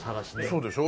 そうでしょ？